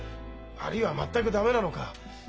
あるいは全く駄目なのか。